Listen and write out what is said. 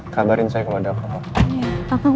kabarin saya kalau ada apa apa